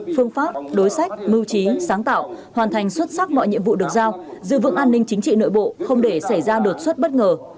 phương pháp đối sách mưu trí sáng tạo hoàn thành xuất sắc mọi nhiệm vụ được giao giữ vững an ninh chính trị nội bộ không để xảy ra đột xuất bất ngờ